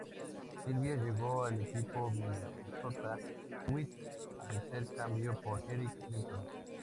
Silva llegó al equipo Minnesota Twins al ser cambiado por Eric Milton.